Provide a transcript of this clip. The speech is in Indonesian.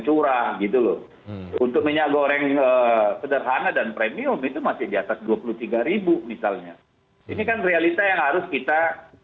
saya tidak tahu itu masih di atas rp dua puluh tiga misalnya ini kan realita yang harus kita